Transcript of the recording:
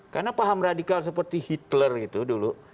karena paham radikal seperti hitler itu dulu